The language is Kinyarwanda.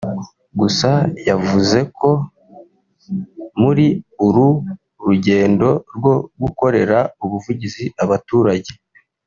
Gusa yavuze ko muri uru rugendo rwo gukorera ubuvugizi abaturage